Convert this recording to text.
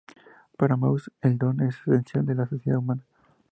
Para Mauss, el don es esencial en la sociedad humana.